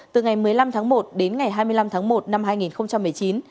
từ ngày một mươi năm tháng một đến ngày hai mươi năm tháng một năm hai nghìn một mươi chín